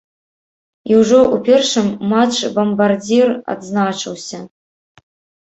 І ўжо ў першым матч бамбардзір адзначыўся.